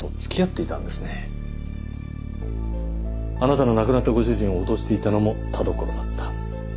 あなたの亡くなったご主人を脅していたのも田所だった。